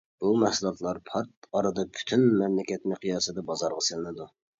بۇ مەھسۇلاتلار پات ئارىدا پۈتۈن مەملىكەت مىقياسىدا بازارغا سېلىنىدۇ.